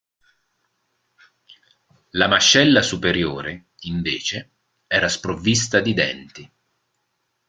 La mascella superiore, invece, era sprovvista di denti.